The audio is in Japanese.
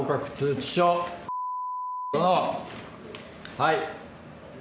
はい。